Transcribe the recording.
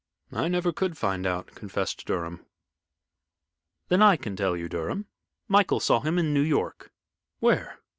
"I never could find out," confessed Durham. "Then I can tell you, Durham. Michael saw him in New York." "Where?"